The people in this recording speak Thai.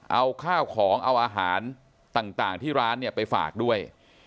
เอาข้าวของเอาอาหารต่างที่ร้านเนี่ยไปฝากด้วย